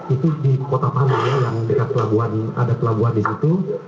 itu di kota pahang yang dekat kelabuan ada kelabuan di situ